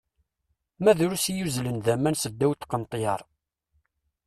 Ma drus i yuzzlen d aman seddaw teqneṭyar!